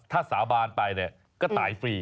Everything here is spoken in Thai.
ถ้าสาบานไปเนี่ยก็ตายฟรี